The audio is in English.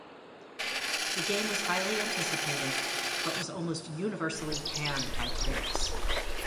The game was highly anticipated, but was almost universally panned by critics.